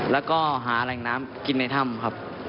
แล้วก็หาแหล่งน้ำกินในถ้ำครับ